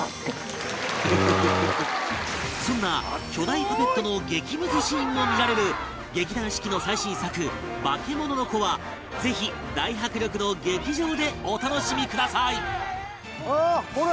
そんな巨大パペットの激ムズシーンも見られる劇団四季の最新作『バケモノの子』はぜひ大迫力の劇場でお楽しみください